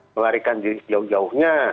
melarikan diri sejauh jauhnya